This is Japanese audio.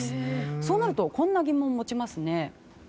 そうなるとこんな疑問を持ちますね。